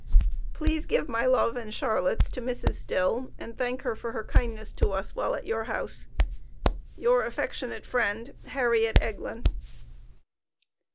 Please give my love and Charlotte's to Mrs. Still and thank her for her kindness to us while at your house. Your affectionate friend, HARRIET EGLIN.